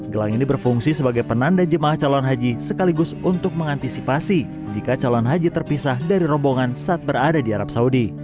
gelang ini berfungsi sebagai penanda jemaah calon haji sekaligus untuk mengantisipasi jika calon haji terpisah dari rombongan saat berada di arab saudi